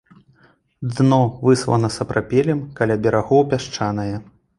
Дно выслана сапрапелем, каля берагоў пясчанае.